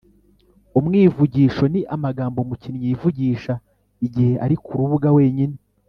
umwivugisho: ni amagambo umukinnyi yivugisha igihe ari ku rubuga wenyine